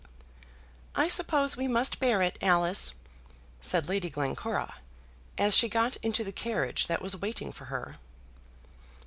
"I suppose we must bear it, Alice?" said Lady Glencora as she got into the carriage that was waiting for her.